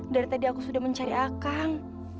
dari tadi aku sudah mencari akang